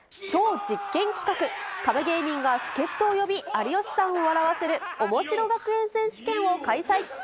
超実験企画、壁芸人が助っ人を呼び、有吉さんを笑わせるおもしろ学園選手権を開催。